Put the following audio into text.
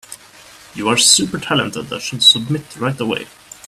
You are super talented and should submit right away.